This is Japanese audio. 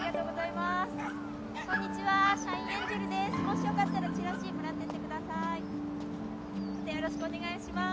またよろしくお願いします。